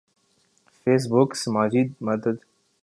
face بک سماجی مدد